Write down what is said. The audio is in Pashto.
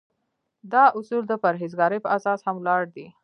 دا اصول د پرهیزګارۍ په اساس هم ولاړ دي.